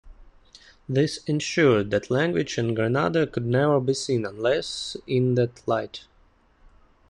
This ensured that language in Grenada could never be seen unless in that light.